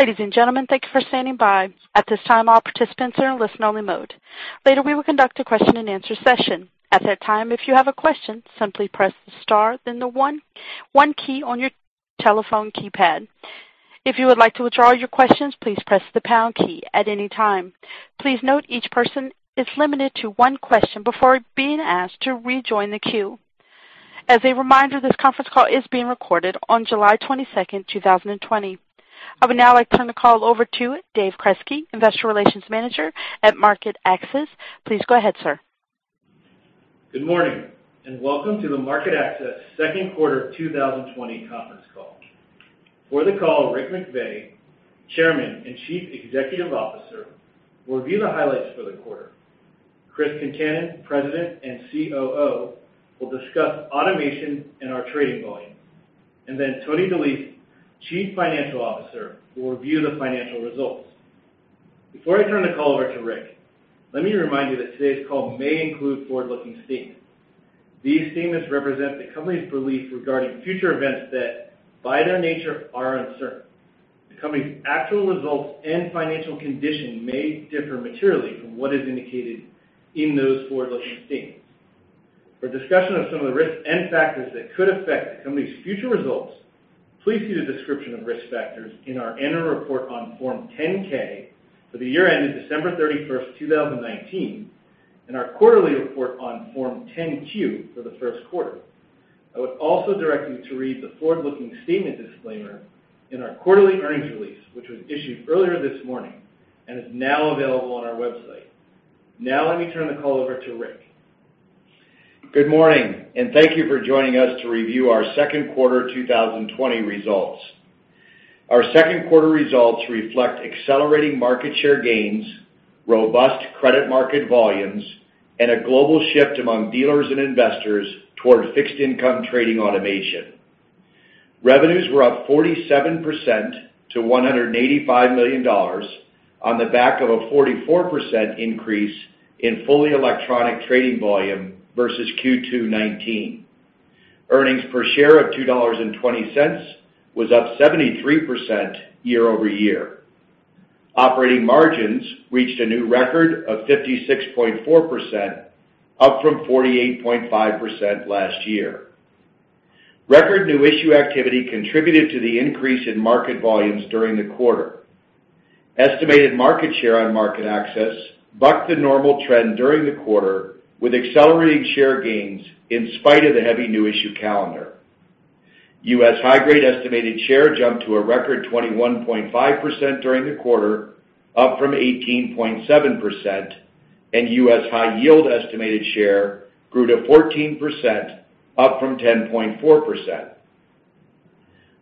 Ladies and gentlemen, thank you for standing by. At this time, all participants are in listen-only mode. Later, we will conduct a question-and-answer session. At that time, if you have a question, simply press the star then the one key on your telephone keypad. If you would like to withdraw your questions, please press the pound key at any time. Please note each person is limited to one question before being asked to rejoin the queue. As a reminder, this conference call is being recorded on July 22nd, 2020. I would now like to turn the call over to David Kresky, Investor Relations Manager at MarketAxess. Please go ahead, sir. Good morning, and welcome to the MarketAxess Second Quarter 2020 conference call. For the call, Rick McVey, Chairman and Chief Executive Officer, will review the highlights for the quarter. Chris Concannon, President and COO, will discuss automation and our trading volumes, and then Tony DeLise, Chief Financial Officer, will review the financial results. Before I turn the call over to Rick, let me remind you that today's call may include forward-looking statements. These statements represent the company's belief regarding future events that, by their nature, are uncertain. The company's actual results and financial condition may differ materially from what is indicated in those forward-looking statements. For discussion of some of the risks and factors that could affect the company's future results, please see the description of risk factors in our annual report on Form 10-K for the year ended December 31st, 2019, and our quarterly report on Form 10-Q for the first quarter. I would also direct you to read the forward-looking statement disclaimer in our quarterly earnings release, which was issued earlier this morning and is now available on our website. Now let me turn the call over to Rick. Good morning. Thank you for joining us to review our second quarter 2020 results. Our second quarter results reflect accelerating market share gains, robust credit market volumes, and a global shift among dealers and investors toward fixed income trading automation. Revenues were up 47% to $185 million on the back of a 44% increase in fully electronic trading volume versus Q2 2019. Earnings per share of $2.20 was up 73% year-over-year. Operating margins reached a new record of 56.4%, up from 48.5% last year. Record new issue activity contributed to the increase in market volumes during the quarter. Estimated market share on MarketAxess bucked the normal trend during the quarter with accelerating share gains in spite of the heavy new issue calendar. U.S. high-grade estimated share jumped to a record 21.5% during the quarter, up from 18.7%, and U.S. high-yield estimated share grew to 14%, up from 10.4%.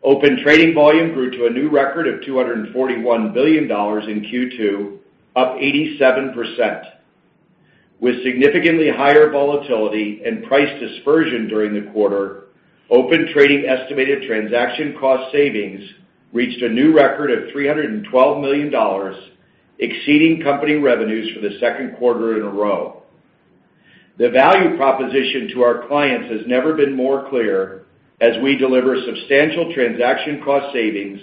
Open Trading volume grew to a new record of $241 billion in Q2, up 87%. With significantly higher volatility and price dispersion during the quarter, Open Trading estimated transaction cost savings reached a new record of $312 million, exceeding company revenues for the second quarter in a row. The value proposition to our clients has never been more clear as we deliver substantial transaction cost savings,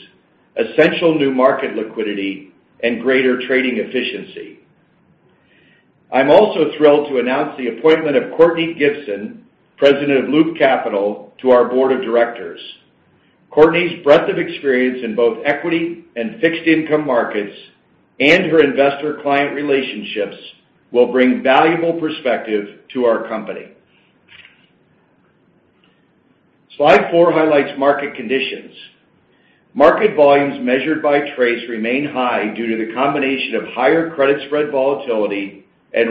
essential new market liquidity, and greater trading efficiency. I'm also thrilled to announce the appointment of Kourtney Gibson, President of Loop Capital, to our board of directors. Kourtney's breadth of experience in both equity and fixed income markets and her investor client relationships will bring valuable perspective to our company. Slide four highlights market conditions. Market volumes measured by trades remain high due to the combination of higher credit spread volatility and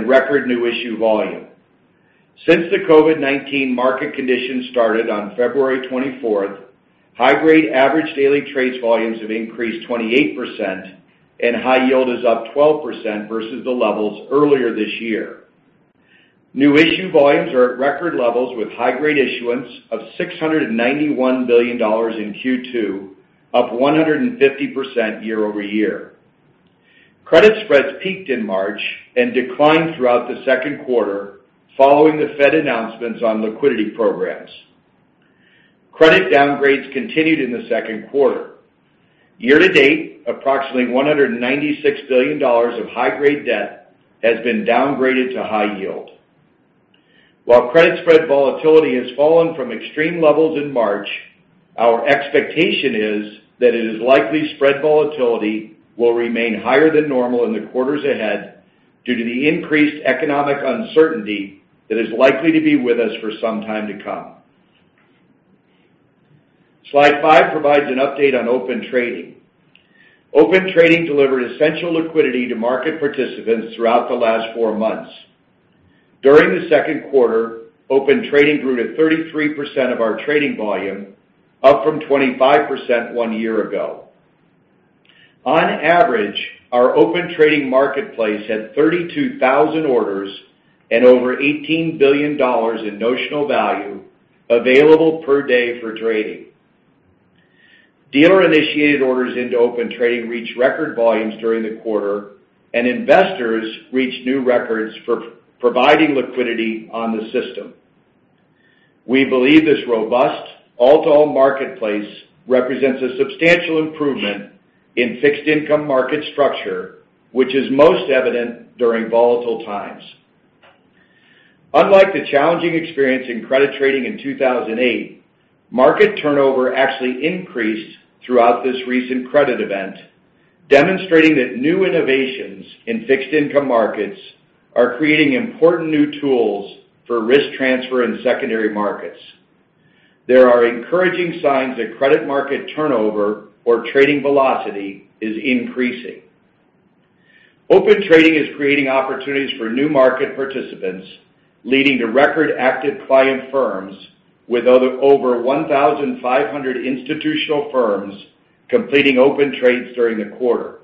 record new issue volume. Since the COVID-19 market conditions started on February 24th, high-grade average daily trades volumes have increased 28%, and high yield is up 12% versus the levels earlier this year. New issue volumes are at record levels, with high-grade issuance of $691 billion in Q2, up 150% year-over-year. Credit spreads peaked in March and declined throughout the second quarter following the Fed announcements on liquidity programs. Credit downgrades continued in the second quarter. Year-to-date, approximately $196 billion of high-grade debt has been downgraded to high yield. While credit spread volatility has fallen from extreme levels in March, our expectation is that it is likely spread volatility will remain higher than normal in the quarters ahead due to the increased economic uncertainty that is likely to be with us for some time to come. Slide five provides an update on Open Trading. Open Trading delivered essential liquidity to market participants throughout the last four months. During the second quarter, Open Trading grew to 33% of our trading volume, up from 25% one year ago. On average, our Open Trading marketplace had 32,000 orders and over $18 billion in notional value available per day for trading. Dealer-initiated orders into Open Trading reached record volumes during the quarter. Investors reached new records for providing liquidity on the system. We believe this robust all-to-all marketplace represents a substantial improvement in fixed income market structure, which is most evident during volatile times. Unlike the challenging experience in credit trading in 2008, market turnover actually increased throughout this recent credit event, demonstrating that new innovations in fixed income markets are creating important new tools for risk transfer and secondary markets. There are encouraging signs that credit market turnover or trading velocity is increasing. Open Trading is creating opportunities for new market participants, leading to record active client firms with over 1,500 institutional firms completing open trades during the quarter.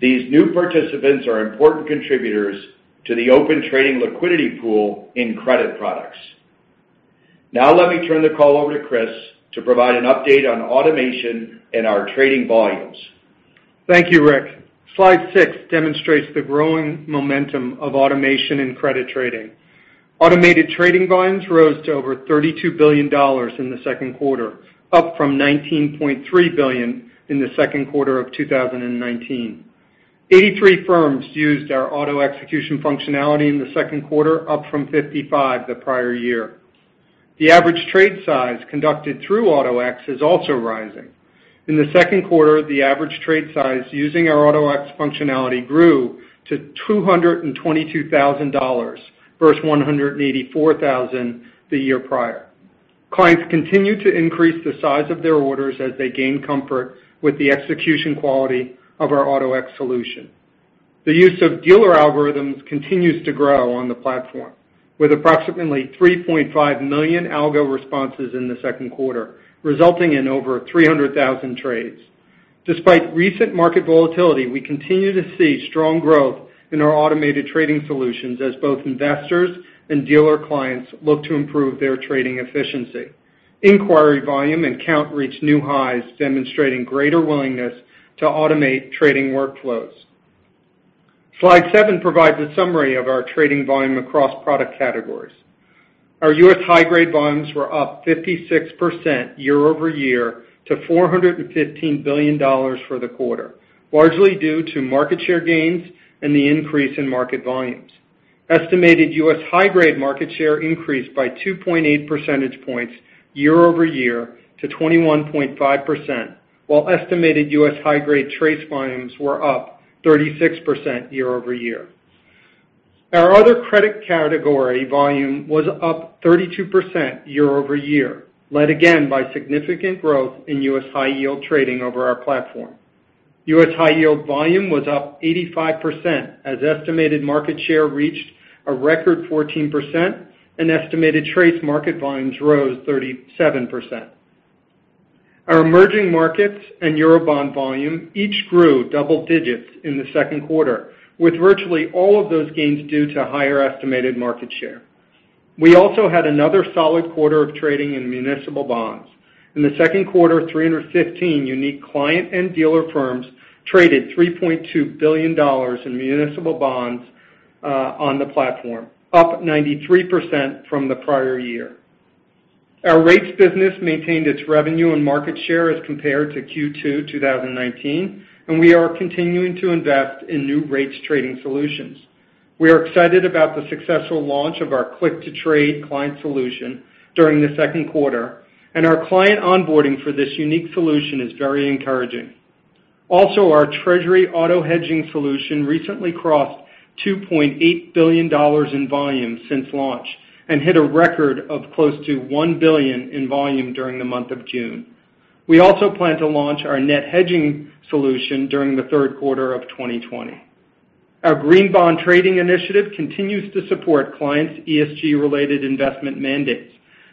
These new participants are important contributors to the open trading liquidity pool in credit products. Let me turn the call over to Chris to provide an update on automation and our trading volumes. Thank you, Rick. Slide six demonstrates the growing momentum of automation in credit trading. Automated trading volumes rose to over $32 billion in the second quarter, up from $19.3 billion in the second quarter of 2019. 83 firms used our auto execution functionality in the second quarter, up from 55 the prior year. The average trade size conducted through Auto-X is also rising. In the second quarter, the average trade size using our Auto-X functionality grew to $222,000 versus $184,000 the year prior. Clients continue to increase the size of their orders as they gain comfort with the execution quality of our Auto-X solution. The use of dealer algorithms continues to grow on the platform, with approximately 3.5 million algo responses in the second quarter, resulting in over 300,000 trades. Despite recent market volatility, we continue to see strong growth in our automated trading solutions as both investors and dealer clients look to improve their trading efficiency. Inquiry volume and count reached new highs, demonstrating greater willingness to automate trading workflows. Slide seven provides a summary of our trading volume across product categories. Our U.S. high-grade volumes were up 56% year-over-year to $415 billion for the quarter, largely due to market share gains and the increase in market volumes. Estimated U.S. high-grade market share increased by 2.8 percentage points year-over-year to 21.5%, while estimated U.S. high-grade trade volumes were up 36% year-over-year. Our other credit category volume was up 32% year-over-year, led again by significant growth in U.S. high-yield trading over our platform. U.S. high-yield volume was up 85% as estimated market share reached a record 14%, and estimated trade market volumes rose 37%. Our emerging markets and Eurobond volume each grew double digits in the second quarter, with virtually all of those gains due to higher estimated market share. We also had another solid quarter of trading in municipal bonds. In the second quarter, 315 unique client and dealer firms traded $3.2 billion in municipal bonds on the platform, up 93% from the prior year. Our rates business maintained its revenue and market share as compared to Q2 2019, and we are continuing to invest in new rates trading solutions. We are excited about the successful launch of our click-to-trade client solution during the second quarter, and our client onboarding for this unique solution is very encouraging. Also, our Treasury auto hedging solution recently crossed $2.8 billion in volume since launch and hit a record of close to $1 billion in volume during the month of June. We also plan to launch our net hedging solution during the third quarter of 2020. Our green bond trading initiative continues to support clients' ESG-related investment mandates.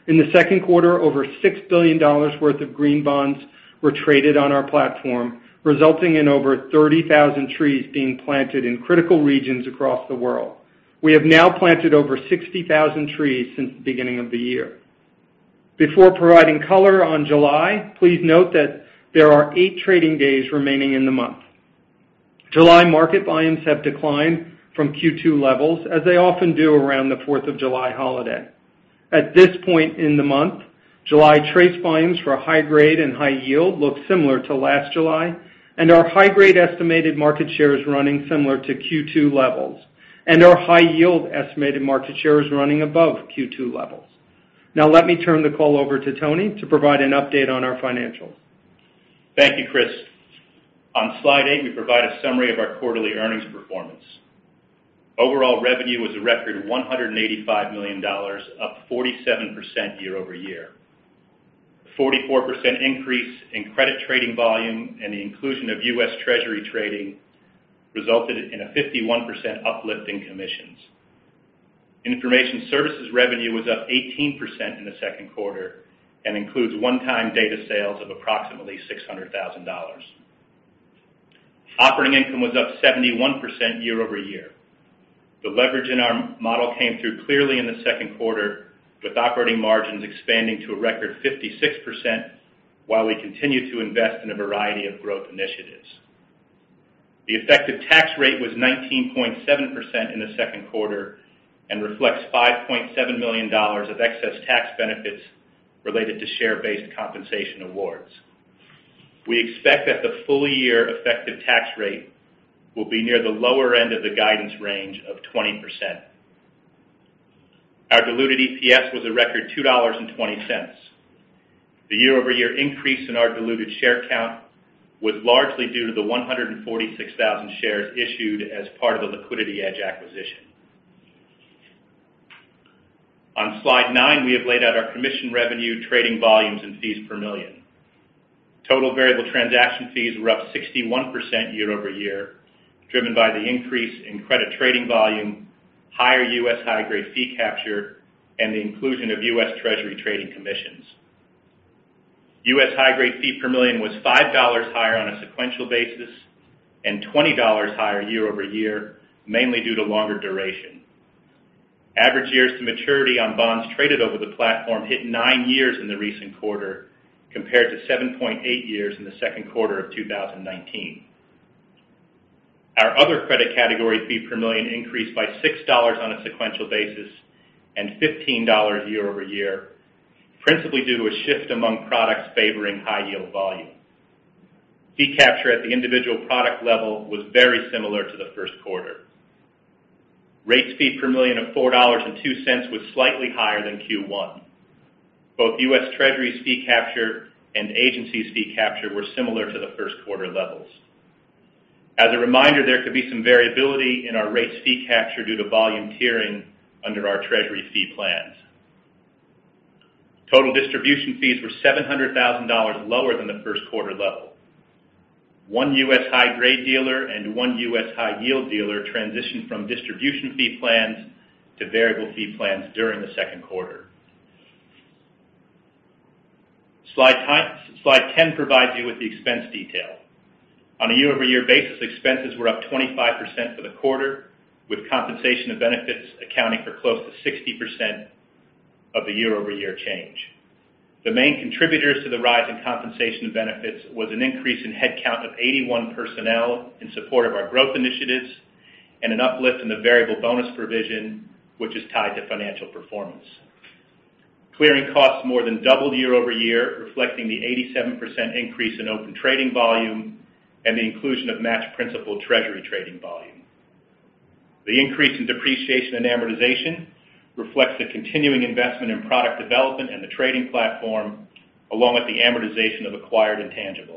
In the second quarter, over $6 billion worth of green bonds were traded on our platform, resulting in over 30,000 trees being planted in critical regions across the world. We have now planted over 60,000 trees since the beginning of the year. Before providing color on July, please note that there are eight trading days remaining in the month. July market volumes have declined from Q2 levels, as they often do around the Fourth of July holiday. At this point in the month, July trade volumes for high-grade and high-yield look similar to last July. Our high-grade estimated market share is running similar to Q2 levels. Our high-yield estimated market share is running above Q2 levels. Let me turn the call over to Tony to provide an update on our financials. Thank you, Chris. On slide eight, we provide a summary of our quarterly earnings performance. Overall revenue was a record $185 million, up 47% year-over-year. 44% increase in credit trading volume and the inclusion of U.S. Treasury trading resulted in a 51% uplift in commissions. Information services revenue was up 18% in the second quarter and includes one-time data sales of approximately $600,000. Operating income was up 71% year-over-year. The leverage in our model came through clearly in the second quarter, with operating margins expanding to a record 56%, while we continue to invest in a variety of growth initiatives. The effective tax rate was 19.7% in the second quarter and reflects $5.7 million of excess tax benefits related to share-based compensation awards. We expect that the full-year effective tax rate will be near the lower end of the guidance range of 20%. Our diluted EPS was a record $2.20. The year-over-year increase in our diluted share count was largely due to the 146,000 shares issued as part of the LiquidityEdge acquisition. On slide nine, we have laid out our commission revenue, trading volumes, and fees per million. Total variable transaction fees were up 61% year-over-year, driven by the increase in credit trading volume, higher U.S. high-grade fee capture, and the inclusion of U.S. Treasury trading commissions. U.S. high-grade fee per million was $5 higher on a sequential basis and $20 higher year-over-year, mainly due to longer duration. Average years to maturity on bonds traded over the platform hit nine years in the recent quarter, compared to 7.8 years in the second quarter of 2019. Our other credit category fee per million increased by $6 on a sequential basis and $15 year-over-year, principally due to a shift among products favoring high-yield volume. Fee capture at the individual product level was very similar to the first quarter. Rates fee per million of $4.02 was slightly higher than Q1. Both U.S. Treasuries fee capture and agencies fee capture were similar to the first quarter levels. As a reminder, there could be some variability in our rates fee capture due to volume tiering under our Treasury fee plans. Total distribution fees were $700,000 lower than the first quarter level. One U.S. high-grade dealer and one U.S. high-yield dealer transitioned from distribution fee plans to variable fee plans during the second quarter. Slide 10 provides you with the expense detail. On a year-over-year basis, expenses were up 25% for the quarter, with compensation and benefits accounting for close to 60% of the year-over-year change. The main contributors to the rise in compensation and benefits was an increase in headcount of 81 personnel in support of our growth initiatives and an uplift in the variable bonus provision, which is tied to financial performance. Clearing costs more than doubled year-over-year, reflecting the 87% increase in Open Trading volume and the inclusion of match principal Treasury trading volume. The increase in depreciation and amortization reflects the continuing investment in product development and the trading platform, along with the amortization of acquired intangibles.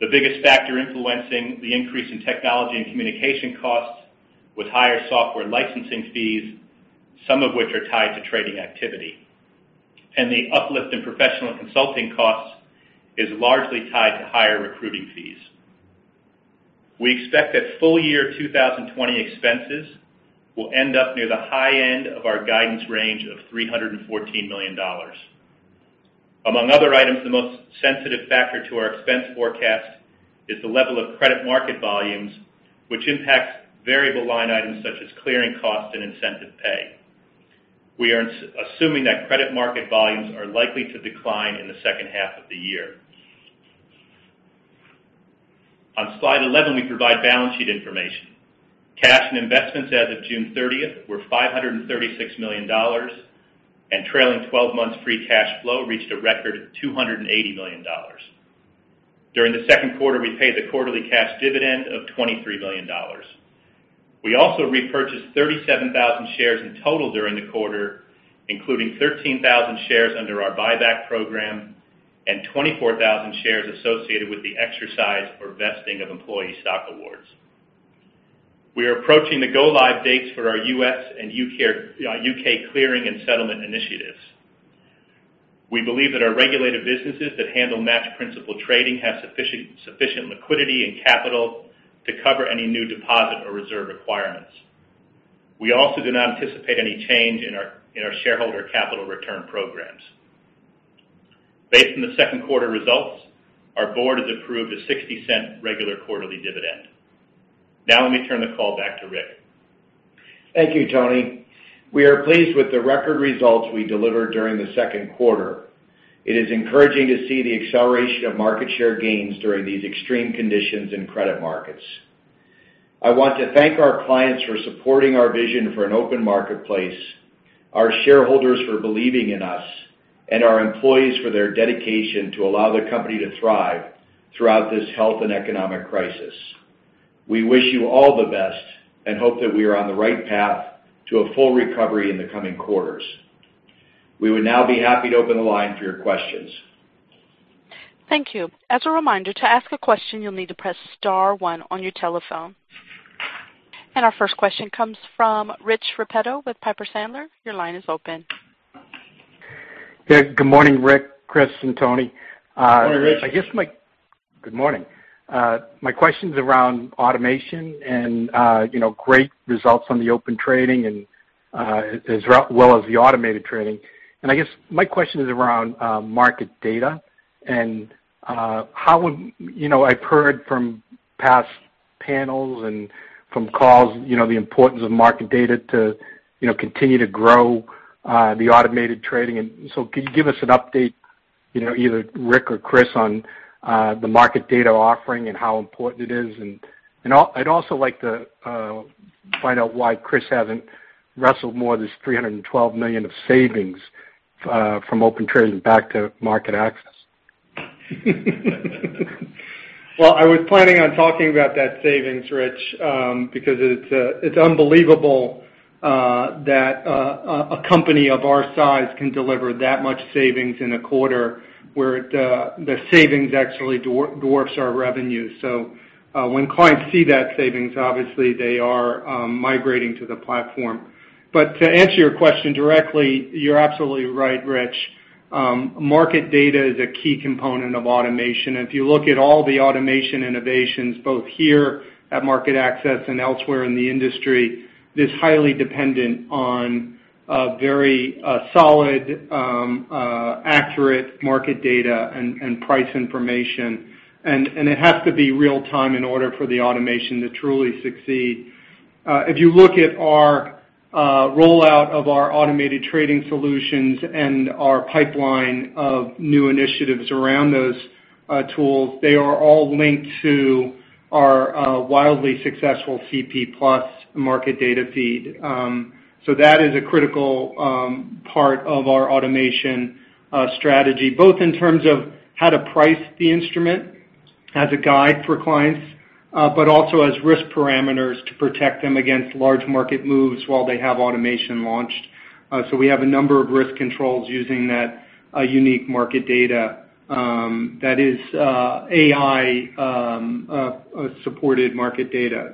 The biggest factor influencing the increase in technology and communication costs was higher software licensing fees, some of which are tied to trading activity. The uplift in professional and consulting costs is largely tied to higher recruiting fees. We expect that full-year 2020 expenses will end up near the high end of our guidance range of $314 million. Among other items, the most sensitive factor to our expense forecast is the level of credit market volumes, which impacts variable line items such as clearing costs and incentive pay. We are assuming that credit market volumes are likely to decline in the second half of the year. On slide 11, we provide balance sheet information. Cash and investments as of June 30th were $536 million, and trailing 12 months free cash flow reached a record $280 million. During the second quarter, we paid the quarterly cash dividend of $23 million. We also repurchased 37,000 shares in total during the quarter, including 13,000 shares under our buyback program and 24,000 shares associated with the exercise or vesting of employee stock awards. We are approaching the go-live dates for our U.S. and U.K. clearing and settlement initiatives. We believe that our regulated businesses that handle match principle trading have sufficient liquidity and capital to cover any new deposit or reserve requirements. We also do not anticipate any change in our shareholder capital return programs. Based on the second quarter results, our board has approved a $0.60 regular quarterly dividend. Now, let me turn the call back to Rick. Thank you, Tony. We are pleased with the record results we delivered during the second quarter. It is encouraging to see the acceleration of market share gains during these extreme conditions in credit markets. I want to thank our clients for supporting our vision for an open marketplace, our shareholders for believing in us, and our employees for their dedication to allow the company to thrive throughout this health and economic crisis. We wish you all the best and hope that we are on the right path to a full recovery in the coming quarters. We would now be happy to open the line for your questions. Thank you. As a reminder, to ask a question, you'll need to press *1 on your telephone. Our first question comes from Rich Repetto with Piper Sandler. Your line is open. Good morning, Rick, Chris, and Tony. Morning, Rich. Good morning. My question's around automation and great results on the Open Trading, as well as the automated trading. I guess my question is around market data and I've heard from past panels and from calls the importance of market data to continue to grow the automated trading, can you give us an update? Either Rick or Chris on the market data offering and how important it is. I'd also like to find out why Chris hasn't wrestled more of this $312 million of savings from Open Trading back to MarketAxess. I was planning on talking about that savings, Rich, because it's unbelievable that a company of our size can deliver that much savings in a quarter where the savings actually dwarfs our revenue. When clients see that savings, obviously they are migrating to the platform. To answer your question directly, you're absolutely right, Rich. Market data is a key component of automation, and if you look at all the automation innovations, both here at MarketAxess and elsewhere in the industry, it is highly dependent on very solid, accurate market data and price information. It has to be real-time in order for the automation to truly succeed. If you look at our rollout of our automated trading solutions and our pipeline of new initiatives around those tools, they are all linked to our wildly successful Composite+ market data feed. That is a critical part of our automation strategy, both in terms of how to price the instrument as a guide for clients, but also as risk parameters to protect them against large market moves while they have automation launched. We have a number of risk controls using that unique market data that is AI-supported market data.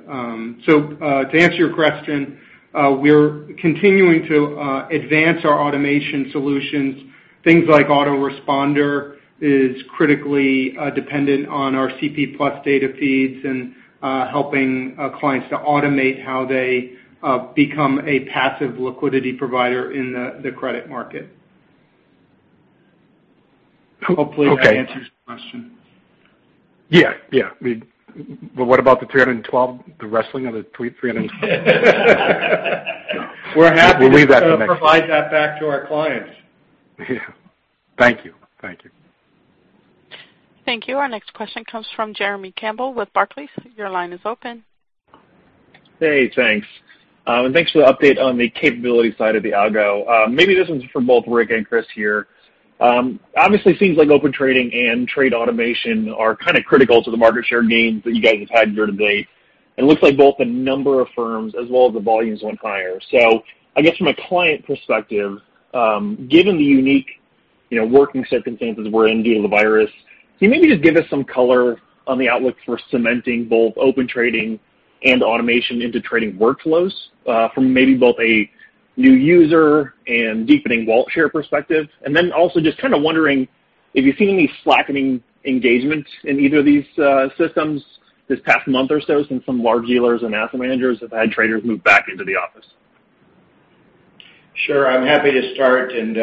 To answer your question, we're continuing to advance our automation solutions. Things like Auto-Responder is critically dependent on our Composite+ data feeds and helping clients to automate how they become a passive liquidity provider in the credit market. Hopefully that answers your question. Yeah. What about the $312, the wrestling of the $312? We're We'll leave that to next. to provide that back to our clients. Yeah. Thank you. Thank you. Our next question comes from Jeremy Campbell with Barclays. Your line is open. Hey, thanks. Thanks for the update on the capability side of the algo. Maybe this one's for both Rick and Chris here. Obviously things like Open Trading and trade automation are kind of critical to the market share gains that you guys have had year to date, and looks like both the number of firms as well as the volumes went higher. I guess from a client perspective, given the unique working circumstances we're in due to the virus, can you maybe just give us some color on the outlook for cementing both Open Trading and automation into trading workflows, from maybe both a new user and deepening wallet share perspective? Also just kind of wondering if you've seen any slackening engagement in either of these systems this past month or so since some large dealers and asset managers have had traders move back into the office. Sure. I'm happy to start and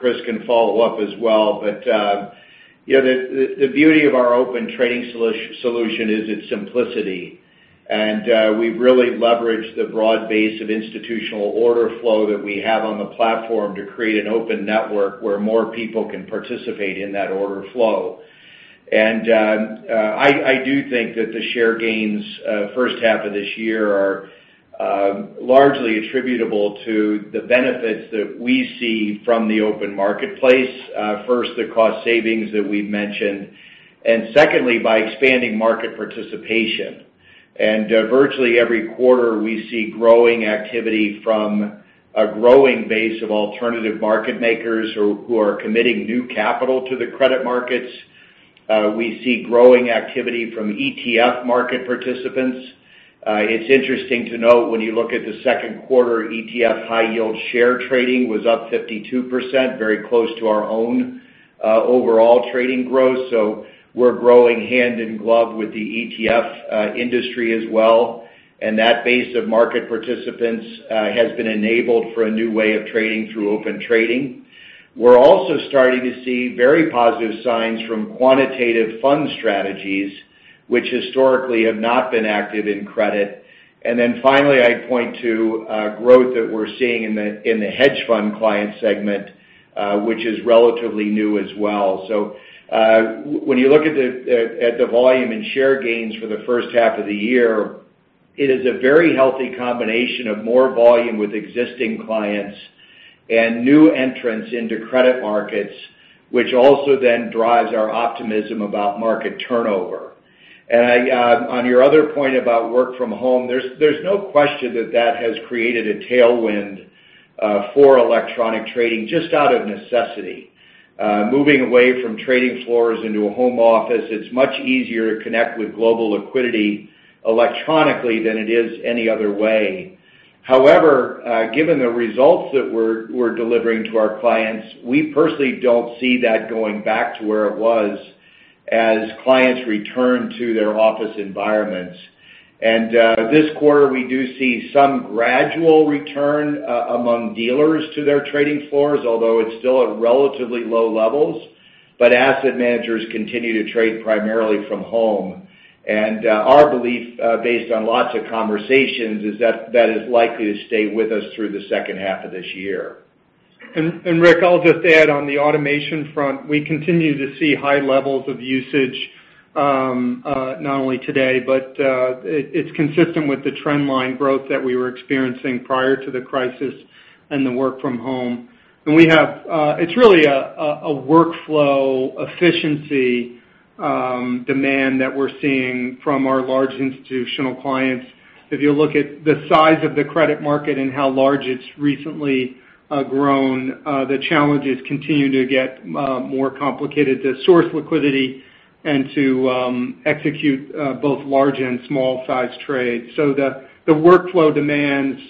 Chris can follow up as well. The beauty of our Open Trading solution is its simplicity. We've really leveraged the broad base of institutional order flow that we have on the platform to create an open network where more people can participate in that order flow. I do think that the share gains first half of this year are largely attributable to the benefits that we see from the open marketplace. First, the cost savings that we've mentioned, and secondly, by expanding market participation. Virtually every quarter, we see growing activity from a growing base of alternative market makers who are committing new capital to the credit markets. We see growing activity from ETF market participants. It's interesting to note when you look at the second quarter ETF high yield share trading was up 52%, very close to our own overall trading growth. We're growing hand in glove with the ETF industry as well, and that base of market participants has been enabled for a new way of trading through Open Trading. We're also starting to see very positive signs from quantitative fund strategies, which historically have not been active in credit. Finally, I'd point to growth that we're seeing in the hedge fund client segment, which is relatively new as well. When you look at the volume and share gains for the first half of the year, it is a very healthy combination of more volume with existing clients and new entrants into credit markets, which also then drives our optimism about market turnover. On your other point about work from home, there's no question that that has created a tailwind for electronic trading just out of necessity. Moving away from trading floors into a home office, it's much easier to connect with global liquidity electronically than it is any other way. However, given the results that we're delivering to our clients, we personally don't see that going back to where it was as clients return to their office environments. This quarter, we do see some gradual return among dealers to their trading floors, although it's still at relatively low levels. Asset managers continue to trade primarily from home. Our belief, based on lots of conversations, is that that is likely to stay with us through the second half of this year. Rick, I'll just add on the automation front, we continue to see high levels of usage, not only today, but it's consistent with the trend line growth that we were experiencing prior to the crisis and the work from home. It's really a workflow efficiency demand that we're seeing from our large institutional clients. If you look at the size of the credit market and how large it's recently grown, the challenges continue to get more complicated to source liquidity and to execute both large and small size trades. The workflow demands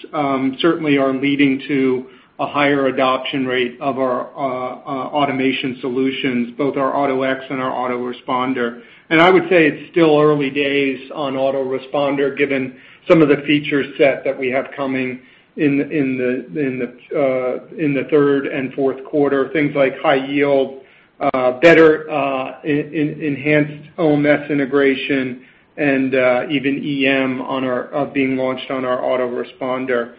certainly are leading to a higher adoption rate of our automation solutions, both our Auto-X and our Auto-Responder. I would say it's still early days on Auto-Responder, given some of the feature set that we have coming in the third and fourth quarter. Things like high yield, better enhanced OMS integration, and even EM being launched on our Auto-Responder.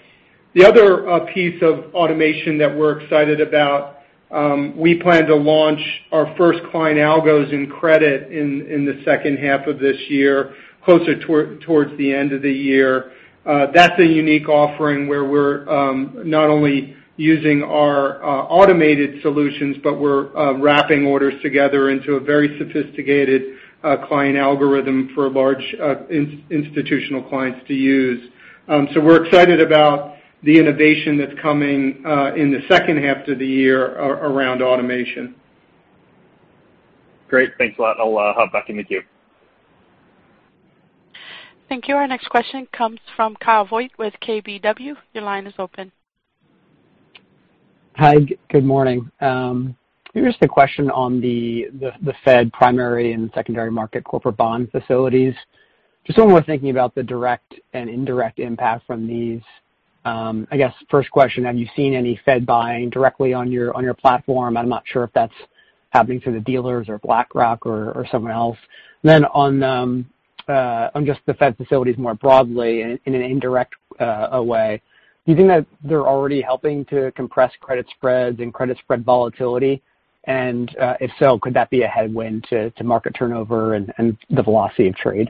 The other piece of automation that we're excited about, we plan to launch our first client algos in credit in the second half of this year, closer towards the end of the year. That's a unique offering where we're not only using our automated solutions, but we're wrapping orders together into a very sophisticated client algorithm for large institutional clients to use. We're excited about the innovation that's coming in the second half of the year around automation. Great. Thanks a lot. I'll hop back in the queue. Thank you. Our next question comes from Kyle Voigt with KBW. Your line is open. Hi, good morning. Here's a question on the Fed primary and secondary market corporate bond facilities. Just when we're thinking about the direct and indirect impact from these, I guess first question, have you seen any Fed buying directly on your platform? I'm not sure if that's happening through the dealers or BlackRock or someone else. On just the Fed facilities more broadly in an indirect way, do you think that they're already helping to compress credit spreads and credit spread volatility? If so, could that be a headwind to market turnover and the velocity of trade?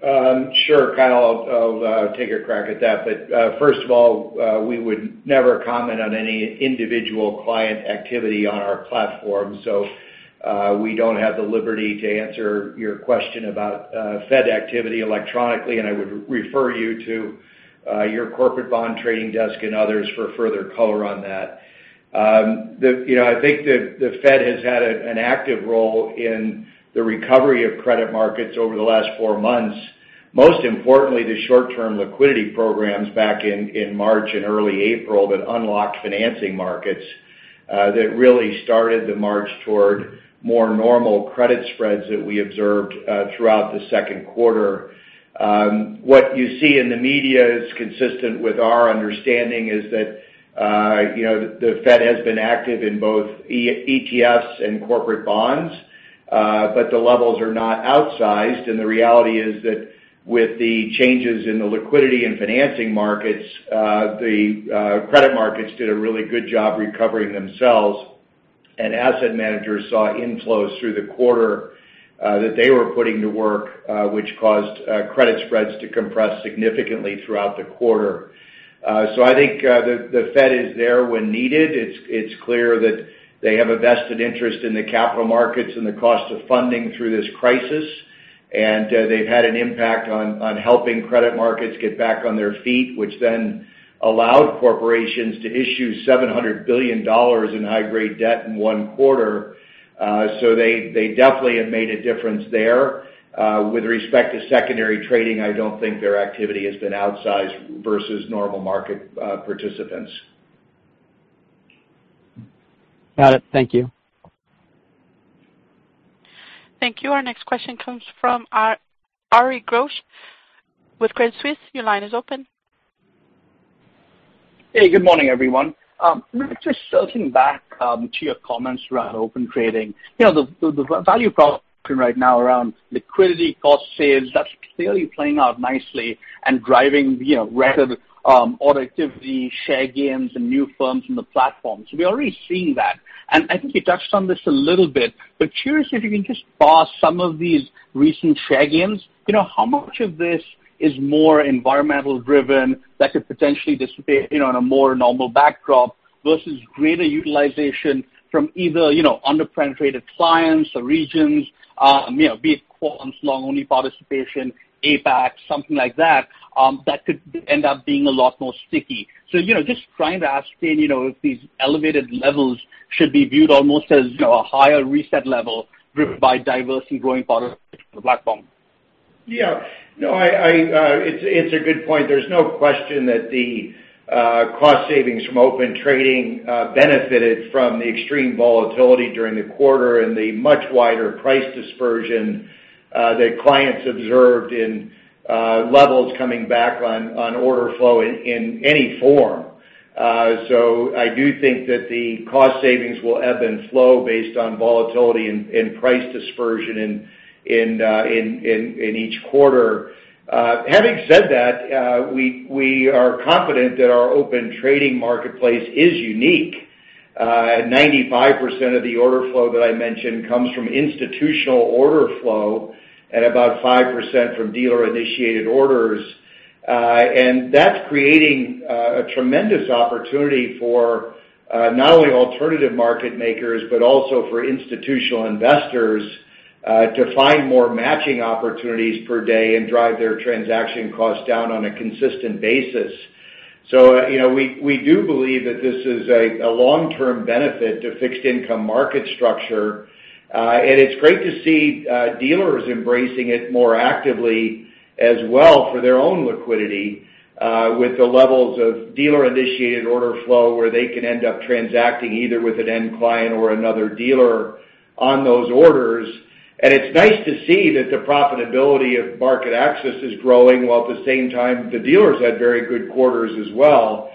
Sure, Kyle. I'll take a crack at that. First of all, we would never comment on any individual client activity on our platform. We don't have the liberty to answer your question about Fed activity electronically, and I would refer you to your corporate bond trading desk and others for further color on that. I think the Fed has had an active role in the recovery of credit markets over the last four months. Most importantly, the short-term liquidity programs back in March and early April that unlocked financing markets, that really started the march toward more normal credit spreads that we observed throughout the second quarter. What you see in the media is consistent with our understanding is that the Fed has been active in both ETFs and corporate bonds, but the levels are not outsized. The reality is that with the changes in the liquidity and financing markets, the credit markets did a really good job recovering themselves. Asset managers saw inflows through the quarter that they were putting to work, which caused credit spreads to compress significantly throughout the quarter. I think the Fed is there when needed. It's clear that they have a vested interest in the capital markets and the cost of funding through this crisis, and they've had an impact on helping credit markets get back on their feet, which then allowed corporations to issue $700 billion in high-grade debt in one quarter. They definitely have made a difference there. With respect to secondary trading, I don't think their activity has been outsized versus normal market participants. Got it. Thank you. Thank you. Our next question comes from Ari Ghosh with Credit Suisse. Your line is open. Hey, good morning, everyone. Rick, just circling back to your comments around Open Trading. The value proposition right now around liquidity cost saves, that's clearly playing out nicely and driving record order activity, share gains, and new firms in the platform. We're already seeing that. I think you touched on this a little bit, but curious if you can just parse some of these recent share gains. How much of this is more environmental-driven that could potentially dissipate in a more normal backdrop versus greater utilization from either under-penetrated clients or regions, be it quants, long-only participation, APAC, something like that could end up being a lot more sticky. Just trying to ascertain if these elevated levels should be viewed almost as a higher reset level driven by diverse and growing product platform. Yeah. It's a good point. There's no question that the cost savings from Open Trading benefited from the extreme volatility during the quarter and the much wider price dispersion that clients observed in levels coming back on order flow in any form. I do think that the cost savings will ebb and flow based on volatility and price dispersion in each quarter. Having said that, we are confident that our Open Trading marketplace is unique. 95% of the order flow that I mentioned comes from institutional order flow and about 5% from dealer-initiated orders. That's creating a tremendous opportunity for not only alternative market makers, but also for institutional investors, to find more matching opportunities per day and drive their transaction costs down on a consistent basis. We do believe that this is a long-term benefit to fixed income market structure. It's great to see dealers embracing it more actively as well for their own liquidity, with the levels of dealer-initiated order flow where they can end up transacting either with an end client or another dealer on those orders. It's nice to see that the profitability of MarketAxess is growing while at the same time the dealers had very good quarters as well,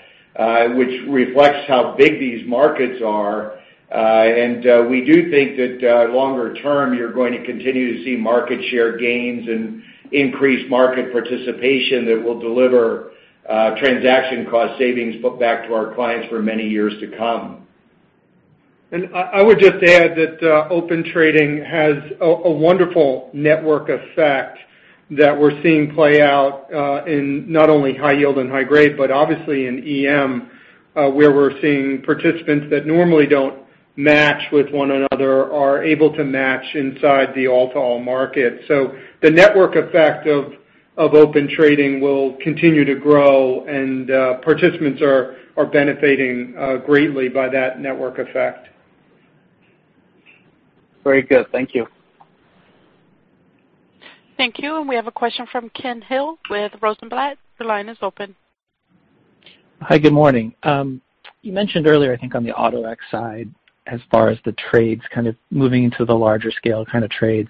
which reflects how big these markets are. We do think that longer term, you're going to continue to see market share gains and increased market participation that will deliver transaction cost savings put back to our clients for many years to come. I would just add that Open Trading has a wonderful network effect that we're seeing play out, in not only high yield and high grade, but obviously in EM, where we're seeing participants that normally don't match with one another are able to match inside the all-to-all market. The network effect of Open Trading will continue to grow and participants are benefiting greatly by that network effect. Very good. Thank you. Thank you. We have a question from Ken Hill with Rosenblatt. The line is open. Hi, good morning. You mentioned earlier, I think, on the Auto-X side, as far as the trades kind of moving into the larger scale kind of trades,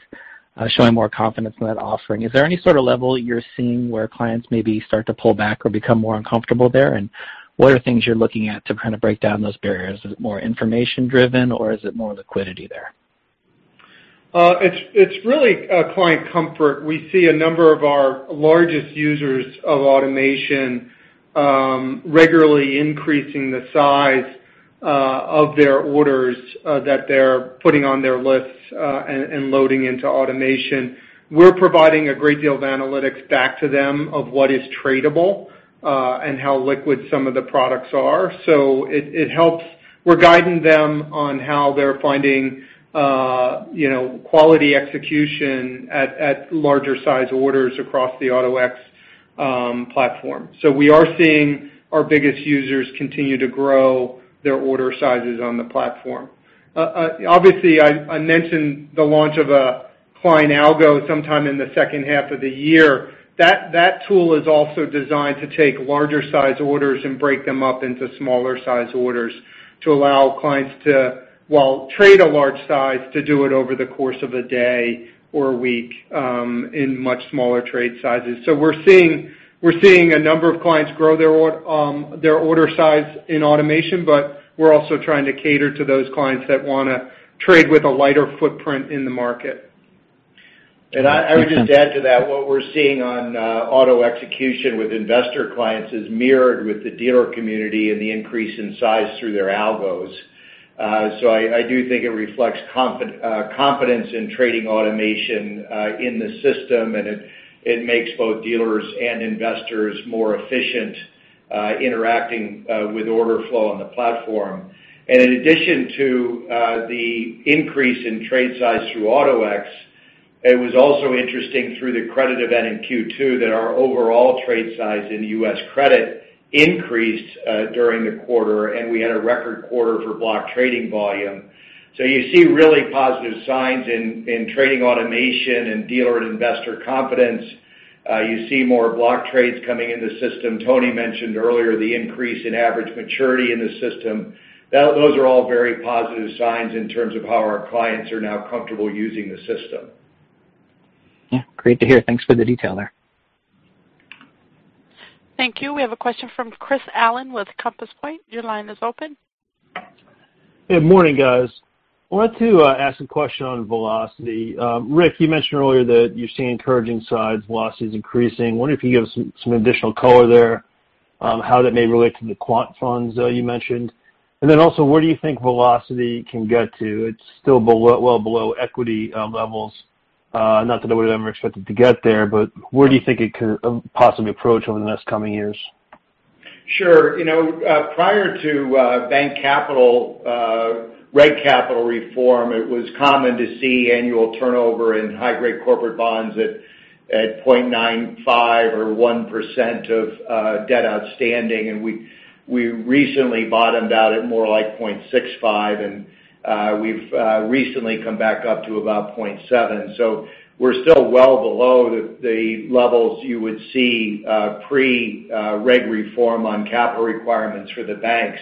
showing more confidence in that offering. Is there any sort of level you're seeing where clients maybe start to pull back or become more uncomfortable there? What are things you're looking at to kind of break down those barriers? Is it more information-driven or is it more liquidity there? It's really client comfort. We see a number of our largest users of automation regularly increasing the size of their orders that they're putting on their lists and loading into automation. We're providing a great deal of analytics back to them of what is tradable, and how liquid some of the products are. It helps. We're guiding them on how they're finding quality execution at larger size orders across the Auto-X platform. We are seeing our biggest users continue to grow their order sizes on the platform. Obviously, I mentioned the launch of a client algo sometime in the second half of the year. That tool is also designed to take larger size orders and break them up into smaller size orders to allow clients to, while trade a large size, to do it over the course of a day or a week, in much smaller trade sizes. We're seeing a number of clients grow their order size in automation, but we're also trying to cater to those clients that want to trade with a lighter footprint in the market. Thank you. I would just add to that, what we are seeing on auto execution with investor clients is mirrored with the dealer community and the increase in size through their algos. I do think it reflects confidence in trading automation in the system, and it makes both dealers and investors more efficient interacting with order flow on the platform. In addition to the increase in trade size through Auto-X, it was also interesting through the credit event in Q2 that our overall trade size in U.S. credit increased during the quarter, and we had a record quarter for block trading volume. You see really positive signs in trading automation and dealer and investor confidence. You see more block trades coming in the system. Tony mentioned earlier the increase in average maturity in the system. Those are all very positive signs in terms of how our clients are now comfortable using the system. Yeah, great to hear. Thanks for the detail there. Thank you. We have a question from Chris Allen with Compass Point. Your line is open. Good morning, guys. I wanted to ask a question on velocity. Rick, you mentioned earlier that you're seeing encouraging signs, velocity is increasing. I wonder if you can give us some additional color there, how that may relate to the quant funds you mentioned. Where do you think velocity can get to? It's still well below equity levels. Not that I would ever expect it to get there, but where do you think it could possibly approach over the next coming years? Sure. Prior to bank capital, reg capital reform, it was common to see annual turnover in high-grade corporate bonds at 0.95 or 1% of debt outstanding. We recently bottomed out at more like 0.65, and we've recently come back up to about 0.7. We're still well below the levels you would see pre-reg reform on capital requirements for the banks.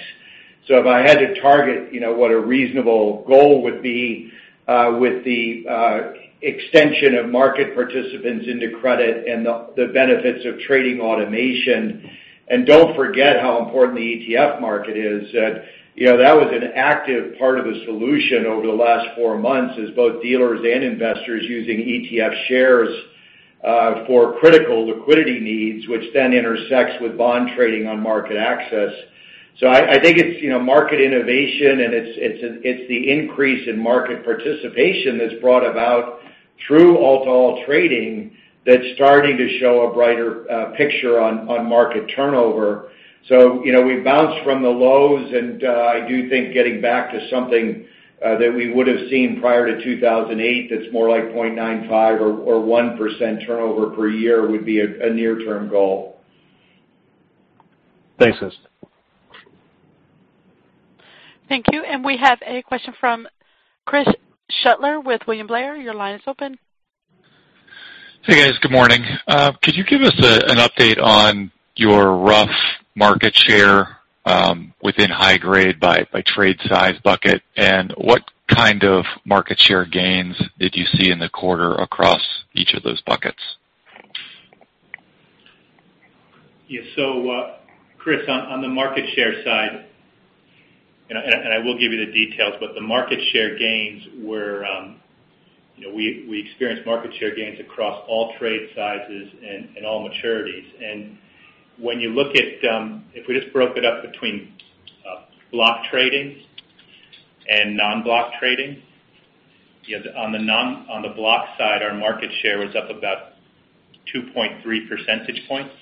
If I had to target what a reasonable goal would be with the extension of market participants into credit and the benefits of trading automation, and don't forget how important the ETF market is. That was an active part of the solution over the last four months as both dealers and investors using ETF shares for critical liquidity needs, which then intersects with bond trading on MarketAxess. I think it's market innovation, and it's the increase in market participation that's brought about through all trading that's starting to show a brighter picture on market turnover. We bounced from the lows, and I do think getting back to something that we would have seen prior to 2008, that's more like 0.95 or 1% turnover per year would be a near-term goal. Thanks, Justin. Thank you. We have a question from Chris Shutler with William Blair. Your line is open. Hey, guys. Good morning. Could you give us an update on your rough market share within high grade by trade size bucket? What kind of market share gains did you see in the quarter across each of those buckets? Yeah. Chris, on the market share side, and I will give you the details, but the market share gains, we experienced market share gains across all trade sizes and all maturities. If we just broke it up between block trading and non-block trading, on the block side, our market share was up about 2.3 percentage points.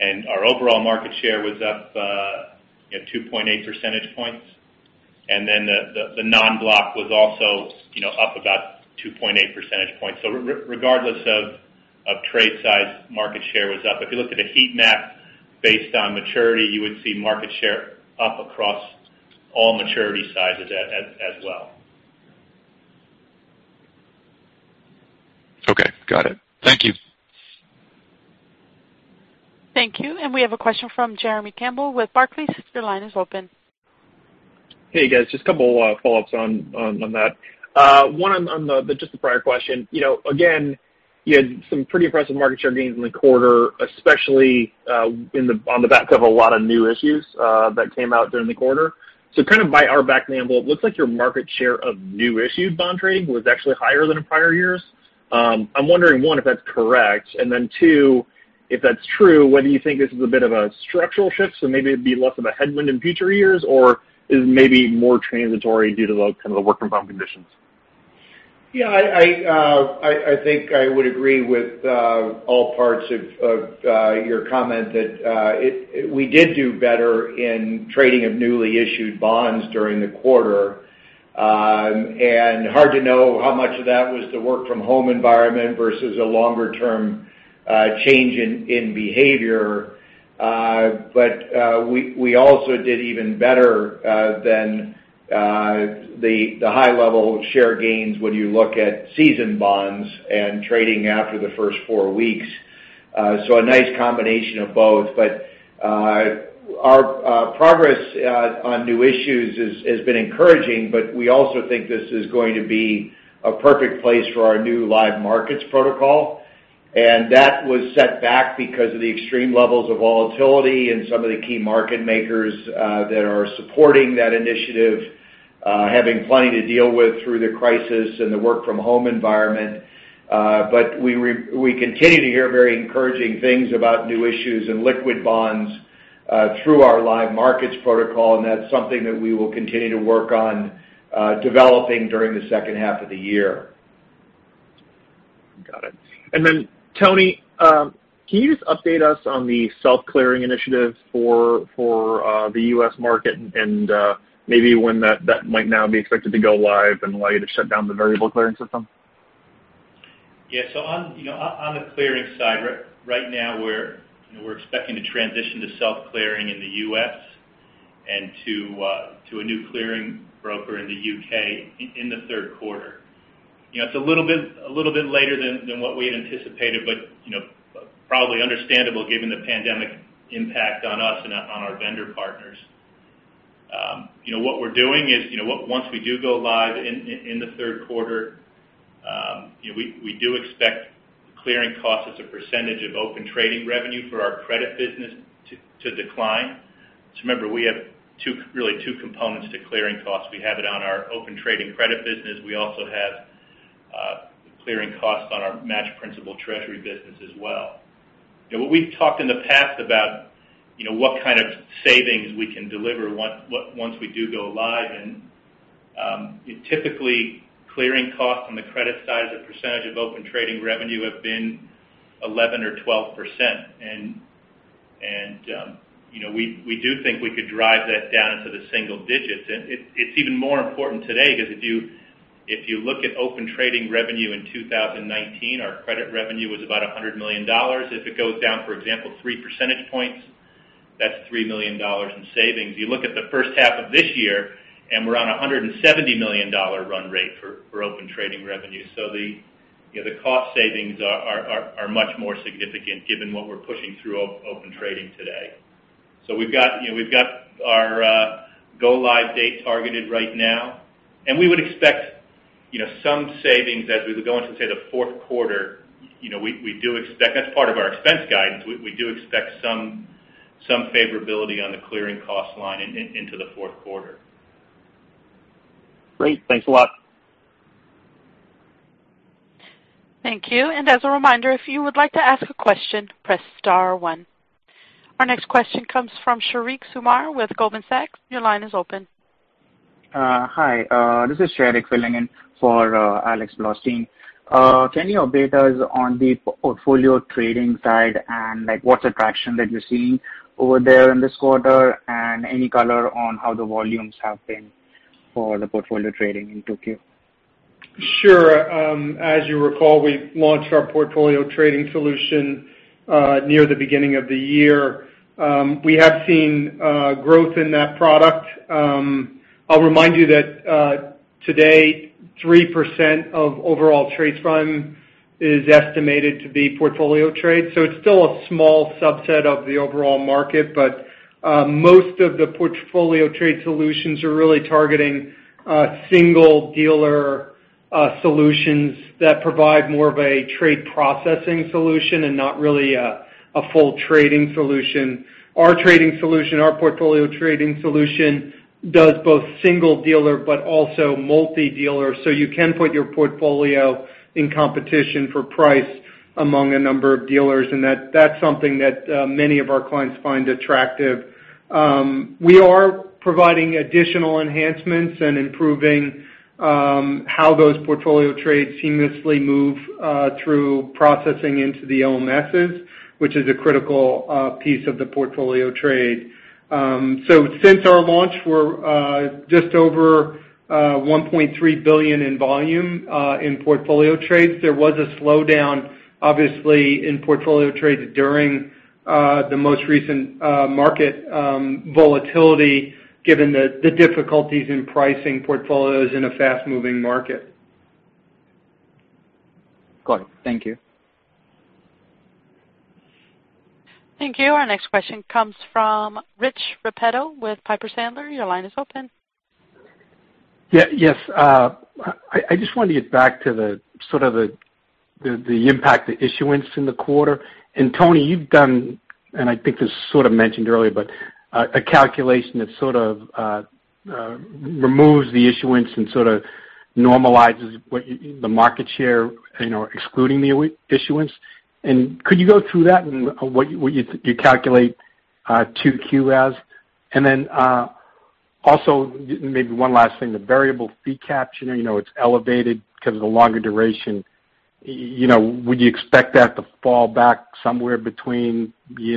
Our overall market share was up 2.8 percentage points. The non-block was also up about 2.8 percentage points. Regardless of trade size, market share was up. If you looked at a heat map based on maturity, you would see market share up across all maturity sizes as well. Okay. Got it. Thank you. Thank you. We have a question from Jeremy Campbell with Barclays. Your line is open. Hey, guys. Just a couple follow-ups on that. One on just the prior question. You had some pretty impressive market share gains in the quarter, especially on the back of a lot of new issues that came out during the quarter. Kind of by our back of the envelope, it looks like your market share of new issued bond trading was actually higher than in prior years. I'm wondering, one, if that's correct, and then two, if that's true, whether you think this is a bit of a structural shift, so maybe it'd be less of a headwind in future years, or is it maybe more transitory due to the kind of the work from home conditions? Yeah, I think I would agree with all parts of your comment that we did do better in trading of newly issued bonds during the quarter. Hard to know how much of that was the work from home environment versus a longer-term change in behavior. We also did even better than the high level share gains when you look at seasoned bonds and trading after the first four weeks. A nice combination of both. Our progress on new issues has been encouraging, but we also think this is going to be a perfect place for our new Live Markets protocol. That was set back because of the extreme levels of volatility and some of the key market makers that are supporting that initiative having plenty to deal with through the crisis and the work from home environment. We continue to hear very encouraging things about new issues and liquid bonds through our Live Markets protocol, and that's something that we will continue to work on developing during the second half of the year. Got it. Tony, can you just update us on the self-clearing initiative for the U.S. market and maybe when that might now be expected to go live and allow you to shut down the variable clearing system? On the clearing side, right now, we're expecting to transition to self-clearing in the U.S. and to a new clearing broker in the U.K. in the third quarter. It's a little bit later than what we had anticipated, but probably understandable given the pandemic impact on us and on our vendor partners. What we're doing is, once we do go live in the third quarter, we do expect clearing costs as a percentage of Open Trading revenue for our credit business to decline. Remember, we have really two components to clearing costs. We have it on our Open Trading credit business. We also have clearing costs on our match principal Treasury business as well. What we've talked in the past about what kind of savings we can deliver once we do go live. Typically clearing costs on the credit side as a percentage of Open Trading revenue have been 11% or 12%. We do think we could drive that down into the single digits. It's even more important today because if you look at Open Trading revenue in 2019, our credit revenue was about $100 million. If it goes down, for example, 3 percentage points, that's $3 million in savings. You look at the first half of this year, and we're on a $170 million run rate for Open Trading revenue. The cost savings are much more significant given what we're pushing through Open Trading today. We've got our go-live date targeted right now, and we would expect some savings as we go into, say, the fourth quarter. That's part of our expense guidance. We do expect some favorability on the clearing cost line into the fourth quarter. Great. Thanks a lot. Thank you. As a reminder, if you would like to ask a question, press *1. Our next question comes from Shariq Umar with Goldman Sachs. Your line is open. Hi, this is Shariq filling in for Alexander Blostein. Can you update us on the portfolio trading side, and what's the traction that you're seeing over there in this quarter? Any color on how the volumes have been for the portfolio trading in 2Q? Sure. As you recall, we launched our portfolio trading solution near the beginning of the year. We have seen growth in that product. I'll remind you that today, 3% of overall trades volume is estimated to be portfolio trades. It's still a small subset of the overall market, but most of the portfolio trade solutions are really targeting single dealer solutions that provide more of a trade processing solution and not really a full trading solution. Our trading solution, our portfolio trading solution, does both single dealer but also multi-dealer. You can put your portfolio in competition for price among a number of dealers, and that's something that many of our clients find attractive. We are providing additional enhancements and improving how those portfolio trades seamlessly move through processing into the OMSs, which is a critical piece of the portfolio trade. Since our launch, we're just over $1.3 billion in volume in portfolio trades. There was a slowdown, obviously, in portfolio trades during the most recent market volatility, given the difficulties in pricing portfolios in a fast-moving market. Got it. Thank you. Thank you. Our next question comes from Rich Repetto with Piper Sandler. Your line is open. Yes. I just wanted to get back to the impact of issuance in the quarter. Tony, you've done, and I think this was sort of mentioned earlier, but a calculation that sort of removes the issuance and sort of normalizes the market share, excluding the issuance. Could you go through that and what you calculate 2Q as? Also, maybe one last thing, the variable fee capture, it's elevated because of the longer duration. Would you expect that to fall back somewhere between, say,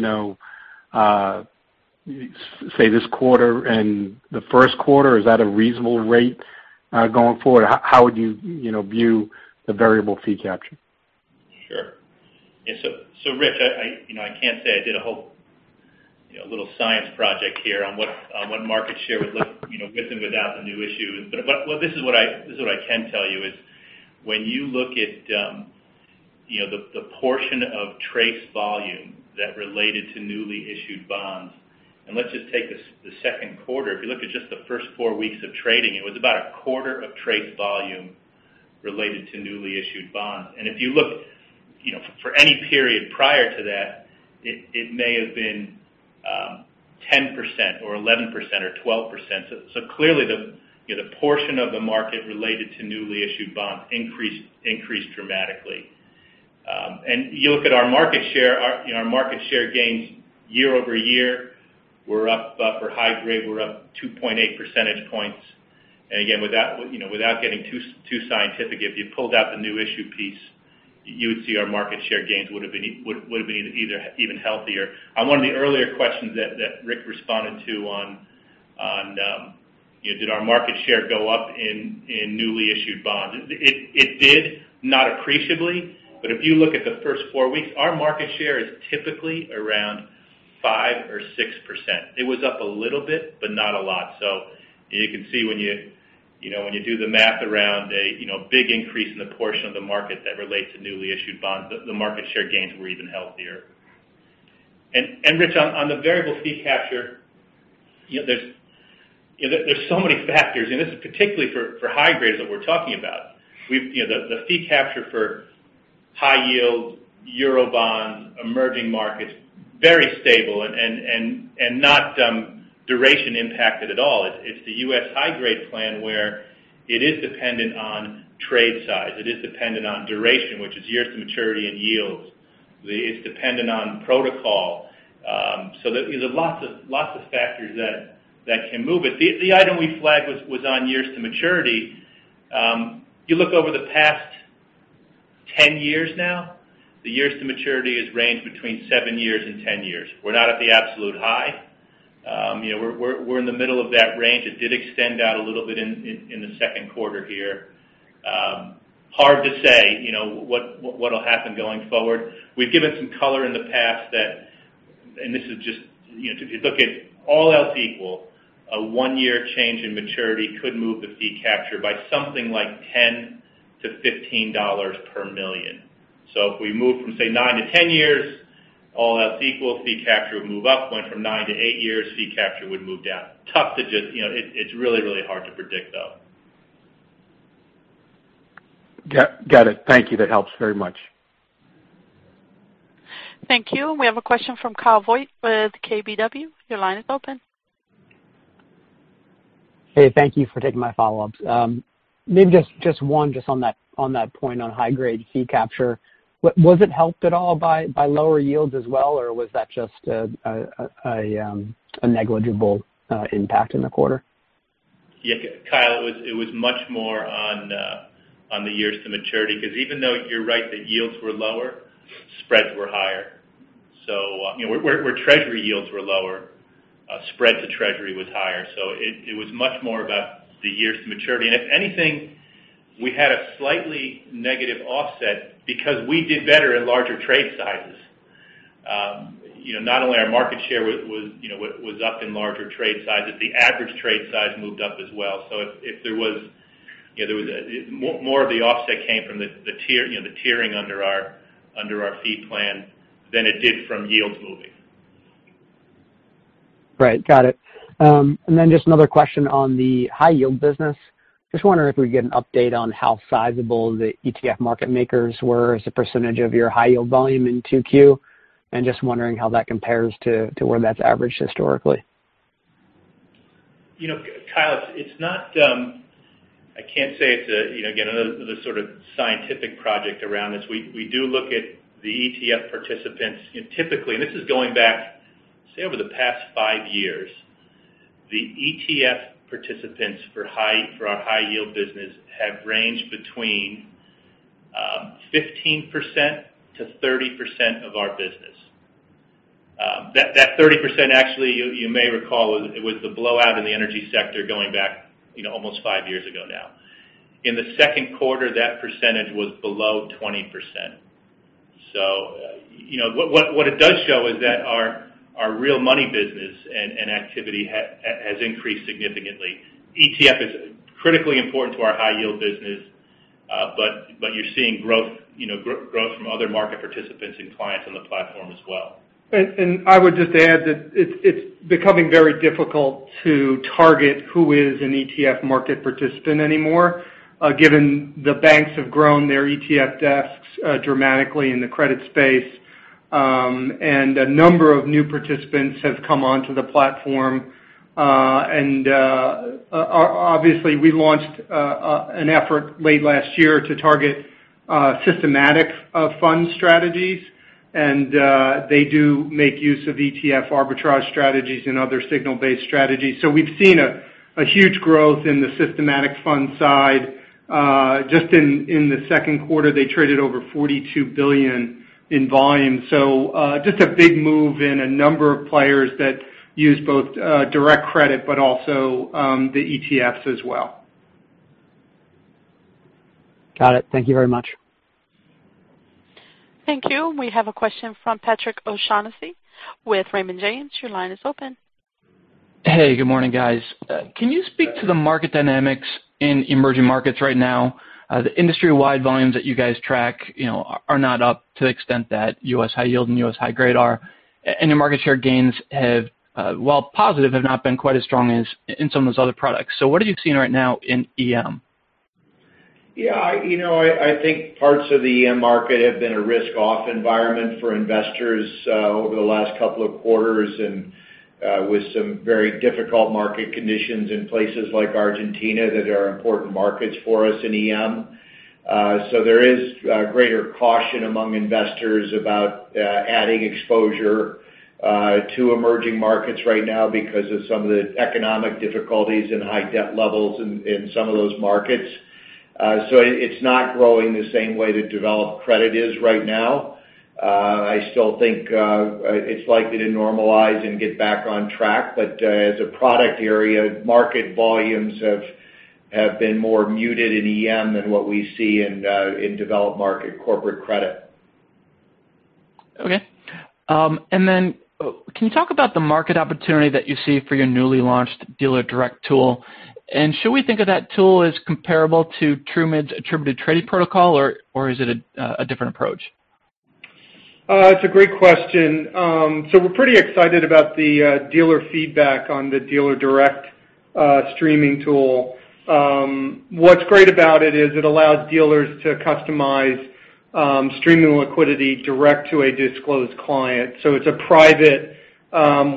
this quarter and the first quarter? Is that a reasonable rate going forward? How would you view the variable fee capture? Sure. Yeah. Rich, I can't say I did a whole little science project here on what market share would look with and without the new issuance. This is what I can tell you is when you look at the portion of TRACE volume that related to newly issued bonds, let's just take the second quarter. If you look at just the first four weeks of trading, it was about a quarter of TRACE volume related to newly issued bonds. If you look for any period prior to that, it may have been 10% or 11% or 12%. Clearly, the portion of the market related to newly issued bonds increased dramatically. You look at our market share gains year-over-year, for high grade, we're up 2.8 percentage points. Again, without getting too scientific, if you pulled out the new issue piece, you would see our market share gains would've been even healthier. On one of the earlier questions that Rick responded to on did our market share go up in newly issued bonds. It did, not appreciably. If you look at the first four weeks, our market share is typically around 5% or 6%. It was up a little bit, but not a lot. You can see when you do the math around a big increase in the portion of the market that relate to newly issued bonds, the market share gains were even healthier. Rich, on the variable fee capture, there's so many factors, and this is particularly for high grades that we're talking about. The fee capture for high yield Eurobond emerging markets, very stable and not duration impacted at all. It's the U.S. high-grade plan where it is dependent on trade size. It is dependent on duration, which is years to maturity and yields. It's dependent on protocol. There's lots of factors that can move it. The item we flagged was on years to maturity. You look over the past 10 years now, the years to maturity has ranged between 7 years and 10 years. We're not at the absolute high. We're in the middle of that range. It did extend out a little bit in the second quarter here. Hard to say what'll happen going forward. We've given some color in the past that, if all else equal, a one-year change in maturity could move the fee capture by something like $10-$15 per million. If we move from, say, 9 to 10 years, all else equal, fee capture would move up. Went from nine to eight years, fee capture would move down. It's really hard to predict, though. Got it. Thank you. That helps very much. Thank you. We have a question from Kyle Voigt with KBW. Your line is open. Hey, thank you for taking my follow-ups. Maybe just one just on that point on high-grade fee capture, was it helped at all by lower yields as well, or was that just a negligible impact in the quarter? Yeah, Kyle, it was much more on the years to maturity because even though you're right that yields were lower, spreads were higher. Where treasury yields were lower, spread to treasury was higher. It was much more about the years to maturity. If anything, we had a slightly negative offset because we did better in larger trade sizes. Not only our market share was up in larger trade sizes, the average trade size moved up as well. More of the offset came from the tiering under our fee plan than it did from yields moving. Right. Got it. Just another question on the high yield business. Just wondering if we can get an update on how sizable the ETF market makers were as a percentage of your high yield volume in 2Q, and just wondering how that compares to where that's averaged historically. Kyle, I can't say it's another sort of scientific project around this. We do look at the ETF participants, and typically, and this is going back, say, over the past five years, the ETF participants for our high yield business have ranged between 15%-30% of our business. That 30%, actually, you may recall, it was the blowout in the energy sector going back almost five years ago now. In the second quarter, that percentage was below 20%. What it does show is that our real money business and activity has increased significantly. ETF is critically important to our high yield business. You're seeing growth from other market participants and clients on the platform as well. I would just add that it's becoming very difficult to target who is an ETF market participant anymore, given the banks have grown their ETF desks dramatically in the credit space. A number of new participants have come onto the platform. Obviously we launched an effort late last year to target systematic fund strategies, and they do make use of ETF arbitrage strategies and other signal-based strategies. We've seen a huge growth in the systematic fund side. Just in the second quarter, they traded over $42 billion in volume. Just a big move in a number of players that use both direct credit, but also the ETFs as well. Got it. Thank you very much. Thank you. We have a question from Patrick O'Shaughnessy with Raymond James. Your line is open. Hey, good morning, guys. Hey. Can you speak to the market dynamics in emerging markets right now? The industry-wide volumes that you guys track are not up to the extent that U.S. high yield and U.S. high grade are. Your market share gains have, while positive, have not been quite as strong as in some of those other products. What are you seeing right now in EM? I think parts of the EM market have been a risk-off environment for investors over the last couple of quarters, and with some very difficult market conditions in places like Argentina that are important markets for us in EM. There is greater caution among investors about adding exposure to emerging markets right now because of some of the economic difficulties and high debt levels in some of those markets. It's not growing the same way that developed credit is right now. I still think it's likely to normalize and get back on track. As a product area, market volumes have been more muted in EM than what we see in developed market corporate credit. Okay. Can you talk about the market opportunity that you see for your newly launched Dealer Direct tool? Should we think of that tool as comparable to Trumid's attributed trading protocol, or is it a different approach? It's a great question. We're pretty excited about the dealer feedback on the Dealer Direct streaming tool. What's great about it is it allows dealers to customize streaming liquidity direct to a disclosed client. It's a private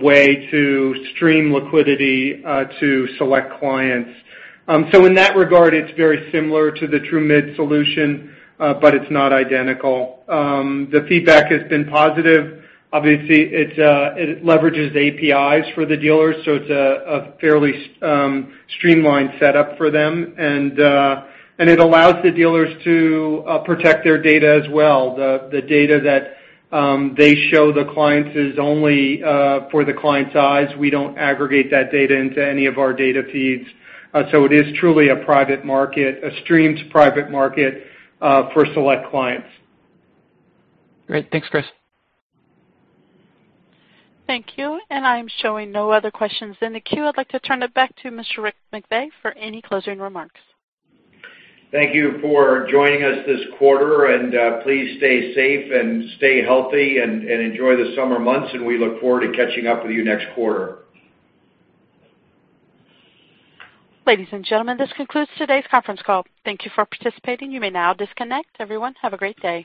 way to stream liquidity to select clients. In that regard, it's very similar to the Trumid solution, but it's not identical. The feedback has been positive. Obviously, it leverages APIs for the dealers, so it's a fairly streamlined setup for them, and it allows the dealers to protect their data as well. The data that they show the clients is only for the client's eyes. We don't aggregate that data into any of our data feeds. It is truly a private market, a streamed private market for select clients. Great. Thanks, Chris. Thank you. I'm showing no other questions in the queue. I'd like to turn it back to Mr. Rick McVey for any closing remarks. Thank you for joining us this quarter. Please stay safe and stay healthy and enjoy the summer months. We look forward to catching up with you next quarter. Ladies and gentlemen, this concludes today's conference call. Thank you for participating. You may now disconnect. Everyone, have a great day.